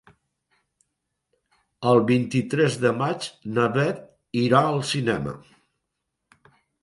El vint-i-tres de maig na Beth irà al cinema.